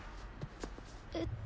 ええっと。